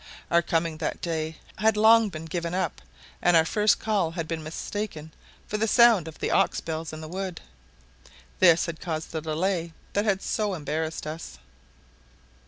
Our coming that day had long been given up, and our first call had been mistaken for the sound of the ox bells in the wood: this had caused the delay that had so embarrassed us.